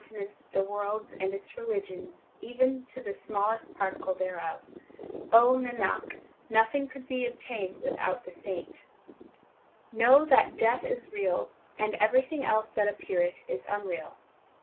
HYMNS OF GURU ARJAN 435 And its regions even to the smallest particle thereof, Nanak, nothing could be obtained without the saint. 3 Know that death is real, and everything else that ap peareth is unreal.